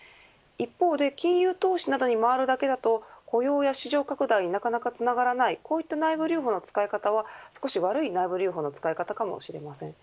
一方で金融投資などに回るだけでは雇用や市場拡大になかなかつながらないのでこういった内部留保の使い方は少し悪い内部留保の使い方かもしれません。